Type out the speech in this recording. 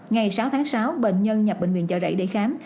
ngày sáu tháng sáu bệnh nhân nhập bệnh viện chợ rẫy để khám